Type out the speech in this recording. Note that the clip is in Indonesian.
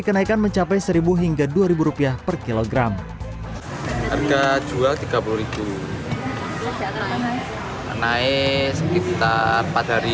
kenaikan mencapai seribu hingga dua ribu rupiah per kilogram harga jual tiga puluh naik sekitar empat hari